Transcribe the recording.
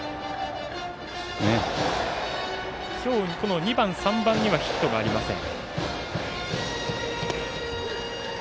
今日、２番、３番にはヒットがありません。